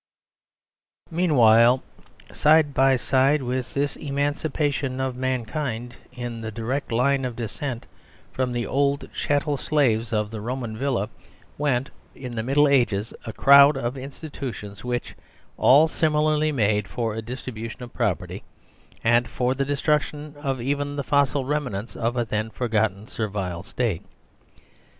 Meanwhile, side by side with this emancipation of mankind in the direct line of descent from the old chattel slaves of the Roman villa went, in the Middle Ages, a crowd of institutions which all similarly made 48 THE SERVILE DISSOLVED for a distribution of property, and for the destruction of even the fossil remnants of a then forgotten Servile State.